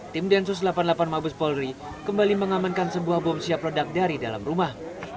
tim densus delapan puluh delapan mabes polri kembali mengamankan sebuah bom siap ledak dari dalam rumah